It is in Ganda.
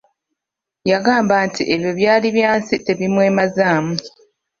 Yagamba nti ebyo byali bya nsi tebimwemazaamu.